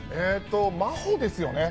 真帆ですよね。